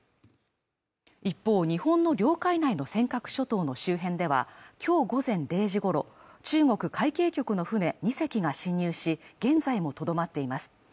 一方日本の領海内の尖閣諸島の周辺ではきょう午前０時ごろ中国海警局の船２隻が侵入し現在もとどまっています